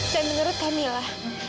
dan menurut kak mila